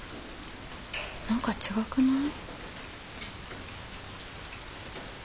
何か違くない？